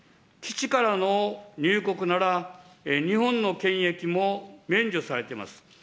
基地からの入国なら日本の検疫も免除されています。